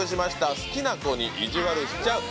「好きな子に意地悪しちゃう」。